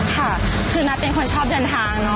ค่ะคือนัทเป็นคนชอบเดินทางเนาะ